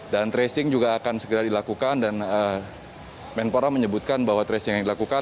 dan tracing juga akan segera dilakukan dan menpora menyebutkan bahwa tracing yang dilakukan